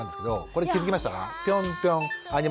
これ気付きましたか？